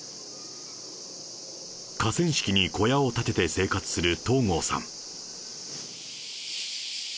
河川敷に小屋を建てて生活するとうごうさん。